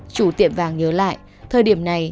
chủ tiệm vàng nhớ lại thời điểm này